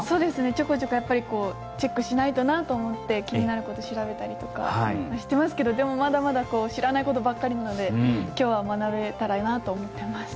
ちょこちょこ、やっぱりチェックしないとなと思って気になること調べたりとかしてますけどでも、まだまだ知らないことばっかりなので今日は学べたらなと思っています。